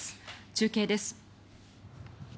中継です。